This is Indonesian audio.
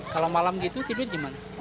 kalau malam gitu tidur gimana